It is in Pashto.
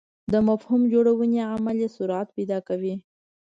د مفهوم جوړونې عمل یې سرعت پیدا کوي.